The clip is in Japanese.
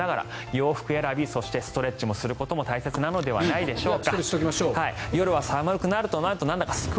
洋服選びそしてストレッチをすることも大切なのではないでしょうか。